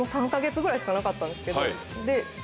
ぐらいしかなかったんですけど。